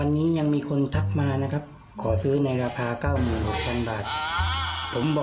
ตอนนี้ยังมีคนทักมานะครับขอซื้อหน่อยครับ